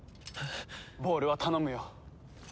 ボールは頼むよ。